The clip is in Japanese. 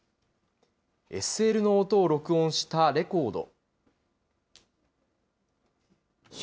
ＳＬの音を録音したレコード。